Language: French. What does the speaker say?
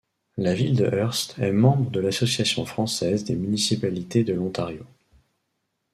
La Ville de Hearst est membre de l'Association française des municipalités de l'Ontario.